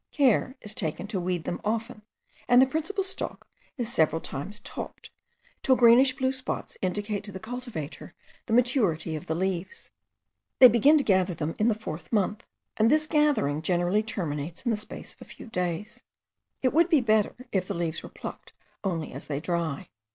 Care is taken to weed them often, and the principal stalk is several times topped, till greenish blue spots indicate to the cultivator the maturity of the leaves. They begin to gather them in the fourth month, and this first gathering generally terminates in the space of a few days. It would be better if the leaves were plucked only as they dry.